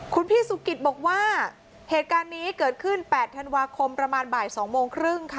คุณพี่สุกิตบอกว่าเหตุการณ์นี้เกิดขึ้น๘ธันวาคมประมาณบ่าย๒โมงครึ่งค่ะ